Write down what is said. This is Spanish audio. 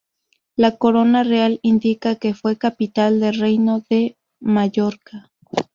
La corona real indica que fue capital del Reino de Mallorca.